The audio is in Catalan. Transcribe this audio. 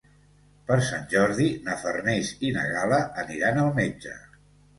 Per Sant Jordi na Farners i na Gal·la aniran al metge.